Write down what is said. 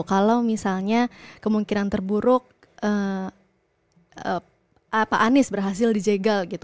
kalau misalnya kemungkinan terburuk pak anies berhasil dijegal gitu